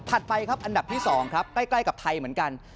ไปครับอันดับที่๒ครับใกล้กับไทยเหมือนกัน